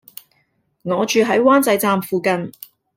我住喺灣仔站附近